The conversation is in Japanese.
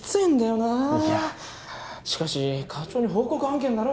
ないやしかし課長に報告案件だろ